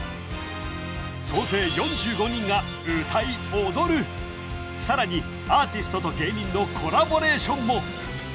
総勢４５人が歌い踊るさらにアーティストと芸人のコラボレーションもＵＴＡＧＥ！